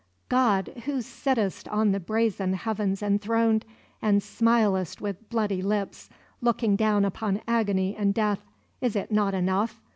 God, Who sittest on the brazen heavens enthroned, and smilest with bloody lips, looking down upon agony and death, is it not enough?